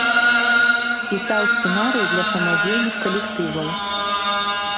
Пісаў сцэнарыі для самадзейных калектываў.